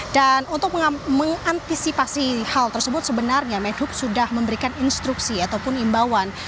dan untuk mengantisipasi hal tersebut sebenarnya menhub sudah memberikan instruksi ataupun imbauan